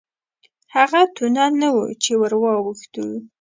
هغه تونل نه و چې ورواوښتو.